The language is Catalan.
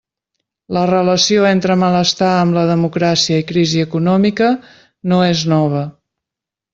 La relació entre malestar amb la democràcia i crisi econòmica no és nova.